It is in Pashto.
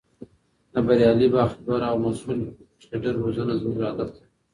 د بریالي، باخبره او مسؤل ټریډر روزنه، زموږ هدف ده!